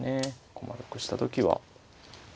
駒得した時は。